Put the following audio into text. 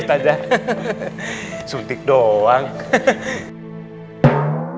kita suntik anti infeksi aja ya